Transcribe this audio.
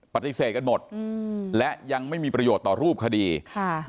ปฏิเสธกันหมดอืมและยังไม่มีประโยชน์ต่อรูปคดีค่ะ